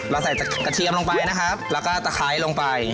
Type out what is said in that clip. เราใส่กระเทียมลงไปนะครับแล้วก็ตะไคร้ลงไป